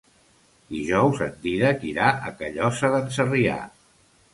Dijous en Dídac irà a Callosa d'en Sarrià.